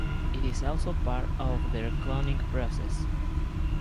It is also part of their cloning process.